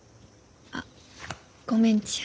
あっごめんちや。